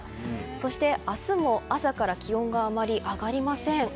そして、明日も朝から気温があまり上がりません。